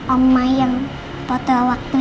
om mayang potel waktu ini